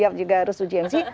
sehingga harus uji emisi